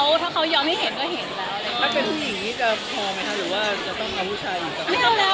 ก็สิ่งเรื่องที่ท่านเป็นผู้หญิงมีอยู่ไหน